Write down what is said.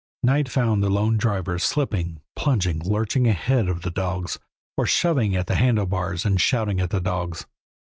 Night found the lone driver slipping, plunging, lurching ahead of the dogs, or shoving at the handle bars and shouting at the dogs.